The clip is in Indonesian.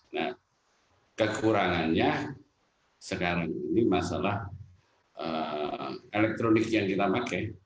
nah kekurangannya sekarang ini masalah elektronik yang kita pakai